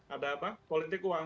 ada apa politik uang